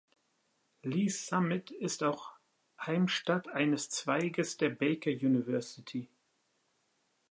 Lee‘s Summit ist auch Heimstatt eines Zweiges der Baker University.